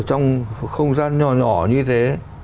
trong không gian nhỏ nhỏ như thế